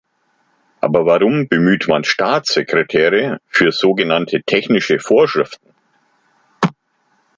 Aber warum bemüht man Staatssekretäre für so genannte technische Vorschriften?